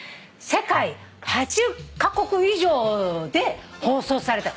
世界８０カ国以上で放送された。